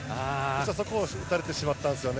そこを打たれてしまったんですよね。